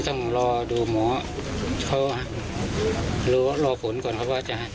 ใช่ค่ะ